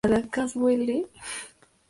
Decidió entonces probar suerte con Warrington.